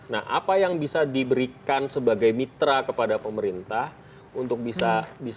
nah apa yang bisa diberikan sebagai mitra kepada pemerintah untuk bisa